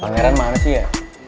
pangeran mana sih ya